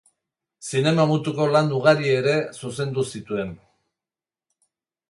Zinema mutuko lan ugari ere zuzendu zituen.